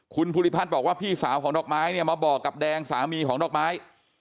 คุณภูริพัฒน์บอกว่าพี่สาวของดอกไม้เนี่ยมาบอกกับแดงสามีของดอกไม้